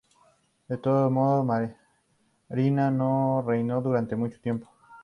De todos modos, Marina no reinó durante mucho tiempo.